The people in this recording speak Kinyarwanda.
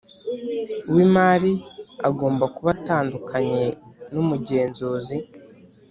W imari agomba kuba atandukanye n umugenzuzi